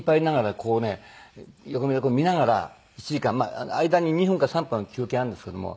こうね横目で見ながら１時間間に２分か３分は休憩あるんですけども。